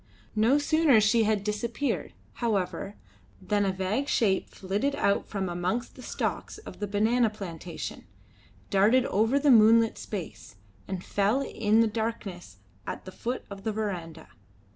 No sooner she had disappeared, however, than a vague shape flitted out from amongst the stalks of the banana plantation, darted over the moonlit space, and fell in the darkness at the foot of the verandah.